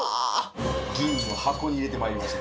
銀の箱に入れてまいりました